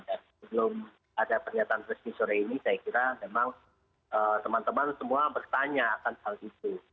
dan sebelum ada pernyataan resmi sore ini saya kira memang teman teman semua bertanya akan hal itu